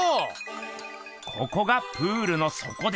ここがプールのそこです。